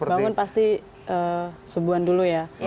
bangun pasti subuan dulu ya